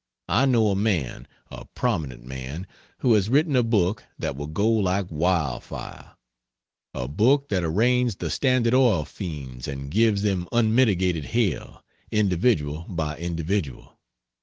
I know a man a prominent man who has written a book that will go like wildfire; a book that arraigns the Standard Oil fiends, and gives them unmitigated hell, individual by individual.